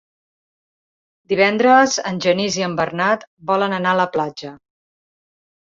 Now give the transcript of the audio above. Divendres en Genís i en Bernat volen anar a la platja.